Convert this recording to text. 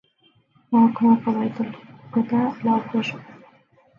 ووجه كبيض القطا الأبرش